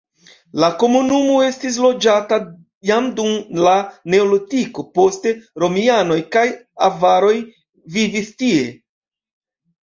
La komunumo estis loĝata jam dum la neolitiko, poste romianoj kaj avaroj vivis tie.